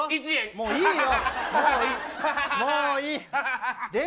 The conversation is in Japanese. もういいよ。